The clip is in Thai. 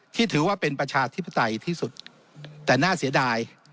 ถือว่าเป็นประชาธิปไตยที่สุดแต่น่าเสียดาย